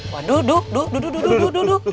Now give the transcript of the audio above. waduh duh duh duh duh duh duh duh duh